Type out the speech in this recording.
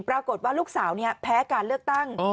ปรากฏว่าลูกสาวแพ้การเลือกตั้ง